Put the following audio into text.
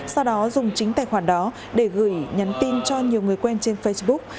sau đó dùng chính tài khoản đó để gửi nhắn tin cho nhiều người quen trên facebook